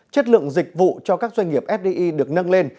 chất lượng dịch vụ cho các doanh nghiệp fdi được nâng lên